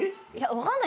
分かんない。